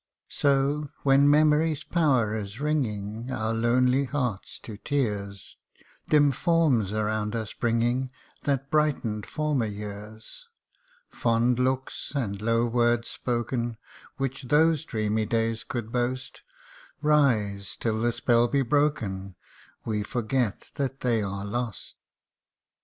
So, when memory's power is wringing Our lonely hearts to tears, Dim forms around us bringing That brightened former years : Fond looks and low words spoken, Which those dreamy days could boast, Rise ; till the spell be broken, We forget that they are lost